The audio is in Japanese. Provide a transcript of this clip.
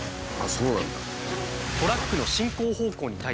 そうなんだ。